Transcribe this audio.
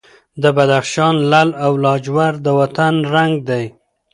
د بدخشان لعل او لاجورد د وطن رنګ دی.